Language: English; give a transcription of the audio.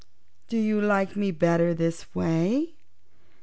"Do you like me better this way?"